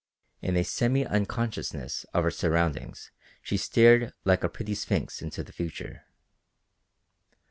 In a semi unconsciousness of her surroundings she stared like a pretty sphinx into the future.